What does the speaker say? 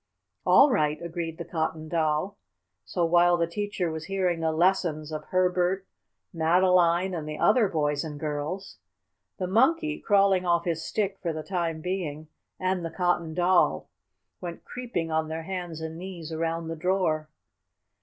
"All right," agreed the Cotton Doll. So while the teacher was hearing the lessons of Herbert, Madeline and the other boys and girls, the Monkey (crawling off his stick for the time being) and the Cotton Doll went creeping on their hands and knees around the drawer.